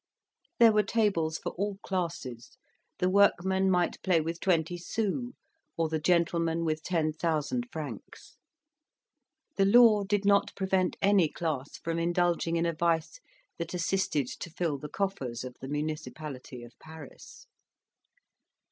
There were tables for all classes the workman might play with 20 sous, or the gentleman with 10,000 francs. The law did not prevent any class from indulging in a vice that assisted to fill the coffers of the municipality of Paris.